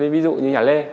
ví dụ như nhà lê